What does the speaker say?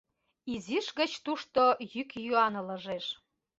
Изиш гыч тушто йӱк-йӱан ылыжеш.